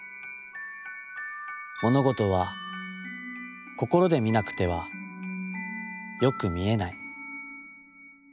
ものごとは心で見なくては、よく見えない。